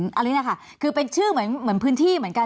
อันนี้นะคะคือเป็นชื่อเหมือนพื้นที่เหมือนกัน